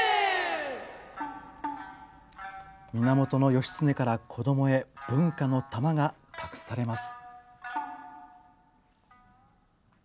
源義経から子供へ文化の玉が託されます。